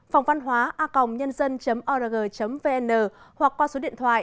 phòngvănhoaacongnhân dân org vn hoặc qua số điện thoại hai nghìn bốn trăm ba mươi hai sáu trăm sáu mươi chín năm trăm linh tám